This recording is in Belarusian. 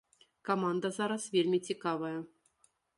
Каманда зараз вельмі цікавая.